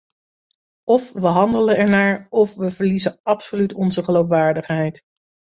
Of we handelen ernaar of we verliezen absoluut onze geloofwaardigheid.